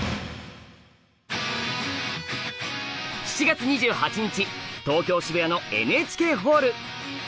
７月２８日東京・渋谷のＮＨＫホール。